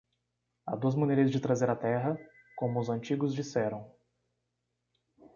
Há duas maneiras de trazer a terra, como os antigos disseram.